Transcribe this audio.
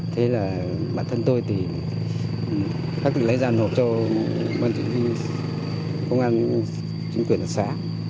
thế là bản thân tôi thì phải lấy ra nộp cho công an chính quyền xã